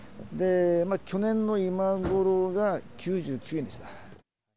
去年の今頃が９９円でした。